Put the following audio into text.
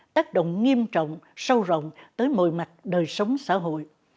tác động nghiêm trọng sâu rộng tới mọi mặt đời sống xã hội